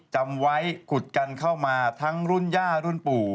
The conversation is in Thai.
จำไว้ขุดกันเข้ามาทั้งรุ่นย่ารุ่นปู่